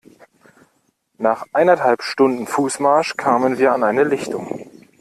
Nach eineinhalb Stunden Fußmarsch kamen wir an eine Lichtung.